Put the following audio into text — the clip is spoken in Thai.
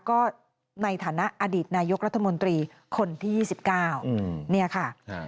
ก็ในฐานะอดีตนายกรัฐมนตรีคนที่๒๙เนี่ยค่ะ